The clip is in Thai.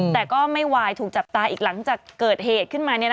แต่ก็ไม่วายถูกจับตาอีกหลังจากเกิดเหตุขึ้นมา